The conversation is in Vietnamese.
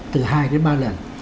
từ hai đến ba lần